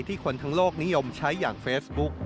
คนทั้งโลกนิยมใช้อย่างเฟซบุ๊ก